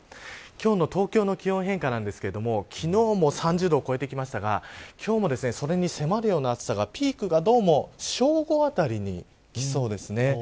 今日の東京の気温の変化ですが昨日も３０度を超えてきましたが今日もそれに迫るような暑さがピークが、どうも正午あたりにきそうです